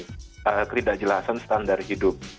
ketidakjelasan standar hidup